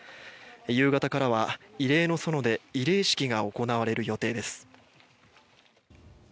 夕方からは慰霊の園で慰霊式が行われる予定です。